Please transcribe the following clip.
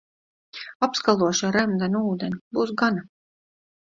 Apskalošu ar remdenu ūdeni, būs gana.